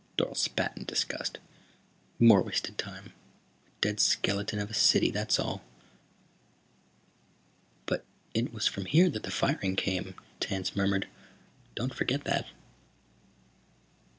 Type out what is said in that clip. Dorle spat in disgust. "More wasted time. A dead skeleton of a city, that's all." "But it was from here that the firing came," Tance murmured. "Don't forget that."